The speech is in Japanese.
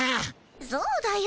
そうだよ。